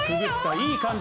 いい感じ。